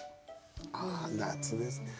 ああ夏ですね。